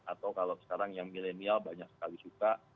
atau kalau sekarang yang milenial banyak sekali suka